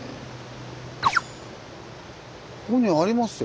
ここにありますよ。